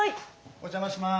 お邪魔します！